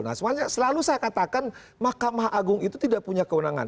nah semuanya selalu saya katakan makamanggung itu tidak punya kewenangan